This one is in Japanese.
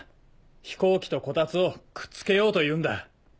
飛行機とコタツをくっつけようというんだ。